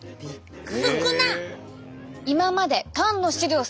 少なっ！